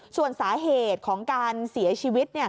ส่วนสาเหตุของการเสียชีวิต